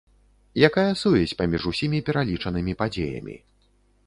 Якая сувязь паміж усімі пералічанымі падзеямі?